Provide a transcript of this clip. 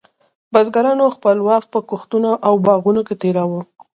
بزګرانو خپل وخت په کښتونو او باغونو کې تېراوه.